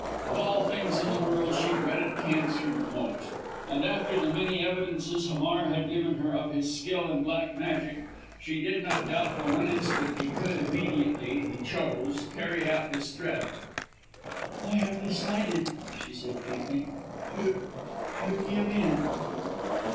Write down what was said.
Of all things in the world, she dreaded cancer most, and after the many evidences Hamar had given her of his skill in Black Magic, she did not doubt for one instant that he could, immediately he chose, carry out his threat. "I have decided," she said faintly, "to to give in."